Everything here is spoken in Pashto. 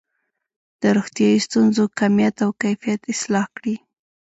د روغتیايي ستونزو کمیت او کیفیت اصلاح کړي.